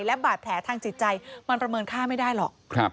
และบาดแผลทางจิตใจมันประเมินค่าไม่ได้หรอก